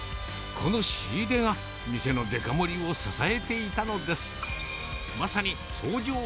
この仕入れが店のデカ盛りを支えていたのです。